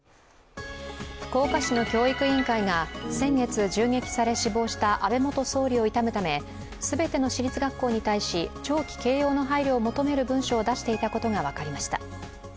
福岡市の教育委員会が先月銃撃され死亡した安倍元総理を悼むため全ての市立学校に対し弔旗掲揚の配慮を求める文書を出していたことが分かりました。